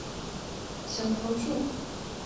小桃纻